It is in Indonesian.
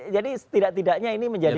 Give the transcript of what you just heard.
jadi setidak tidaknya ini menjadi